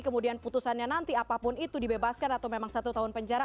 kemudian putusannya nanti apapun itu dibebaskan atau memang satu tahun penjara